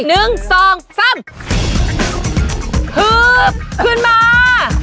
หือขึ้นมา